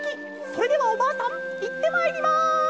それではおばあさんいってまいります！」。